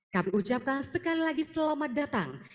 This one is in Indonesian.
kami ucapkan sekali lagi selamat datang